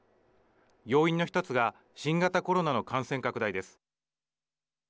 要因の１つが新型コロナの感染拡大です。